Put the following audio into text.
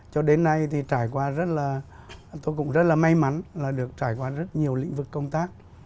cho đến nay thì trải qua rất là tôi cũng rất là may mắn là được trải qua rất nhiều lĩnh vực công tác